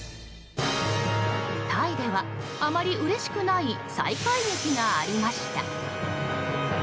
タイでは、あまりうれしくない再会劇がありました。